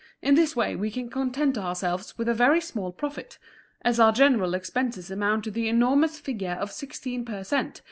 In this way we can content ourselves with a very small profit; as our general expenses amount to the enormous figure of sixteen per cent.